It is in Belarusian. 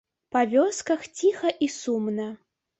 Па вёсках ціха і сумна.